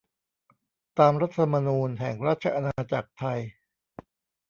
ตามรัฐธรรมนูญแห่งราชอาณาจักรไทย